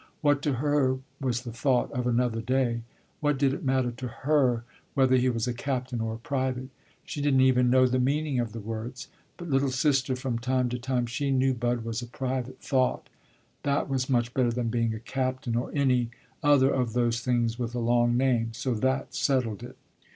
What to her was the thought of another day; what did it matter to her whether he was a captain or a private? She didn't even know the meaning of the words, but "little sister," from the time she knew Bud was a private, thought that was much better than being a captain or any other of those things with a long name, so that settled it.